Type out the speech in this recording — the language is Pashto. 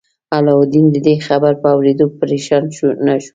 علاوالدین د دې خبر په اوریدو پریشان نه شو.